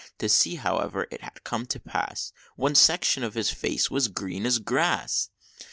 To see however it had come to pass, One section of his face as green as grass!